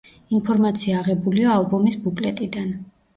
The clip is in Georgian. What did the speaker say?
ინფორმაცია აღებულია ალბომის ბუკლეტიდან.